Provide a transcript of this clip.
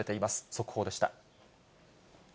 速報でした。